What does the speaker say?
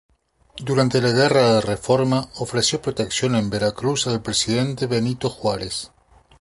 Durante la Guerra de Reforma, ofreció protección en Veracruz al presidente Benito Juárez.